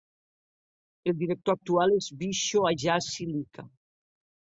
El director actual és Visho Ajazi Lika.